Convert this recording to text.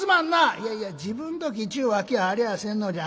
「いやいや時分どきっちゅうわけやありゃせんのじゃ。